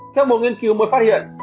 theo một nghiên cứu mới phát hiện